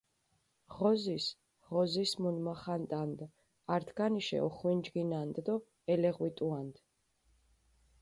ღოზის, ღოზის მუნმახანტანდჷ, ართგანიშე ოხვინჯგინანდჷ დო ელეღვიტუანდჷ.